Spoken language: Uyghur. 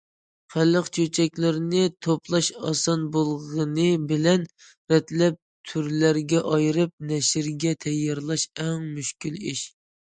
خەلق چۆچەكلىرىنى توپلاش ئاسان بولغىنى بىلەن رەتلەپ، تۈرلەرگە ئايرىپ نەشرگە تەييارلاش ئەڭ مۈشكۈل ئىش.